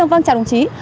vâng chào đồng chí